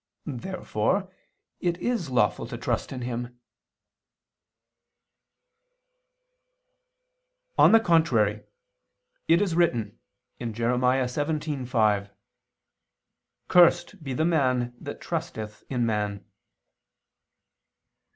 Therefore it is lawful to trust in him. On the contrary, It is written (Jer. 17:5): "Cursed be the man that trusteth in man."